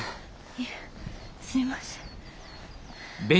いえすいません。